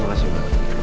terima kasih mbak